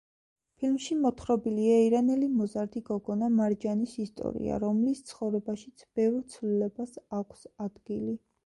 ფილმში მოთხრობილია ირანელი მოზარდი გოგონა მარჯანის ისტორია, რომლის ცხოვრებაშიც ბევრ ცვლილებას აქვს ადგილი.